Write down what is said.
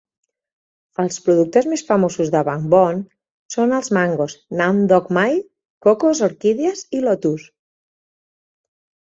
Els productes més famosos de Bang Bon són els mangos Nam Doc Mai, cocos, orquídies i lotus.